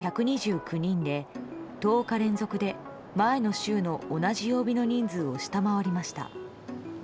今日、東京の感染者は１万６１２９人で１０日連続で前の週の同じ曜日の人数を下回りました。